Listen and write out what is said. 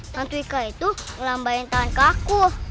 hantu ika itu lambain tanganku